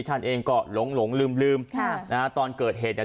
ท่านเองก็หลงหลงลืมลืมค่ะนะฮะตอนเกิดเหตุเนี่ย